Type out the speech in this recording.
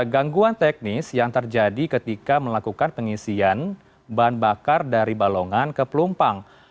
gangguan teknis yang terjadi ketika melakukan pengisian bahan bakar dari balongan ke pelumpang